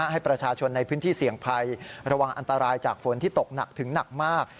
ให้ประชาชนในพื้นที่เสี่ยงภัยระวังอันตรายจากฝนที่ตกหนักถึงหนักมาก